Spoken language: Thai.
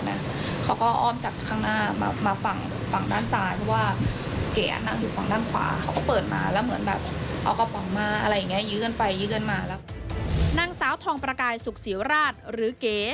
นางสาวทองประกายสุขศรีราชหรือเก๋